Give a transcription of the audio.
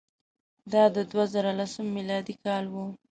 دا د دوه زره لسم میلادي کال وو.